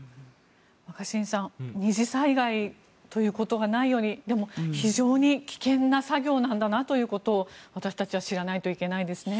若新さん二次災害ということがないようにでも非常に危険な作業なんだなということを私たちは知らないといけないですね。